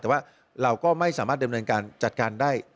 แต่ว่าเราก็ไม่สามารถดำเนินการจัดการได้